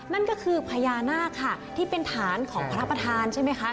นั่นก็คือพญานาคค่ะที่เป็นฐานของพระประธานใช่ไหมคะ